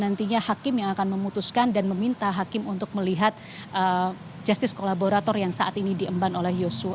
nantinya hakim yang akan memutuskan dan meminta hakim untuk melihat justice kolaborator yang saat ini diemban oleh yosua